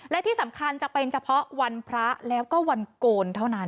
และที่สำคัญจะเป็นเฉพาะวันพระแล้วก็วันโกนเท่านั้น